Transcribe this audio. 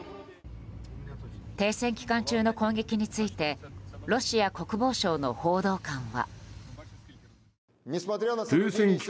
停戦期間中の攻撃についてロシア国防省の報道官は。